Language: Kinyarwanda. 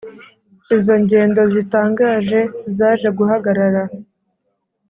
Izo ngendo zitangaje zaje guhagarara.